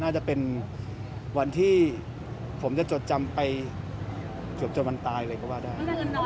น่าจะเป็นวันที่ผมจะจดจำไปเกือบจนวันตายเลยก็ว่าได้